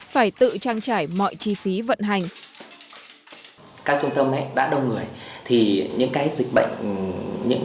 phải tự trang trải mọi chi phí vận hành